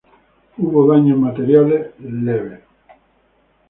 Hubo daños materiales leves.